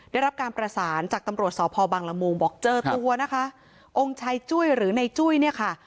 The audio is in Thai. ได้รับการประสานจากตำรวจสพบังละมุงบอกเจอตัวนะคะองค์ชายจุ้ยหรือในจุ้ยเนี่ยค่ะ